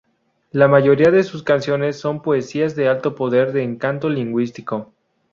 La mayoría de sus canciones son poesías de alto poder de encanto lingüístico.